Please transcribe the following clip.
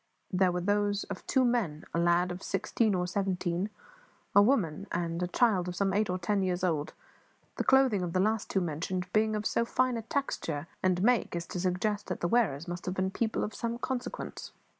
They were those of two men, a lad of sixteen or seventeen, a woman, and a child of some eight or ten years old; the clothing of the two last mentioned being of so fine a texture and make as to suggest that the wearers must have been people of some consequence.